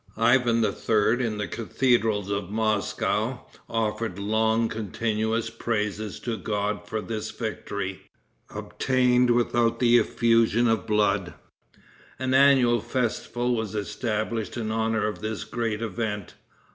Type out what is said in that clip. Ivan III., in the cathedrals of Moscow, offered long continued praises to God for this victory, obtained without the effusion of blood. An annual festival was established in honor of this great event.